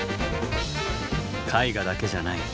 絵画だけじゃない。